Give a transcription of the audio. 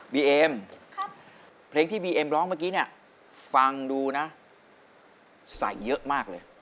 บีเอ็มเพลงที่บีเอ็มร้องเมื่อกี้เนี่ยฟังดูนะใส่เยอะมากเลย